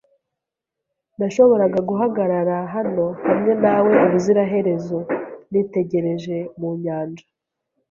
[S] Nashoboraga guhagarara hano hamwe nawe ubuziraherezo, nitegereje mu nyanja.